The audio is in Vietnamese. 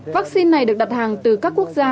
vaccine này được đặt hàng từ các quốc gia